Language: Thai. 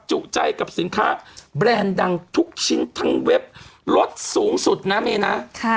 จุใจกับสินค้าแบรนด์ดังทุกชิ้นทั้งเว็บลดสูงสุดนะเมนะ